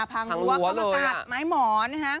พังหัวกกัดไม้หมอน